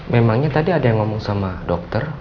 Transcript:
memangnya tadi ada yang ngomong sama dokter